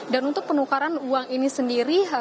dan untuk penukaran uang ini sendiri